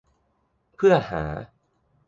เพื่อหา